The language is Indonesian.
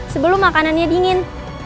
sebelum makanannya dingin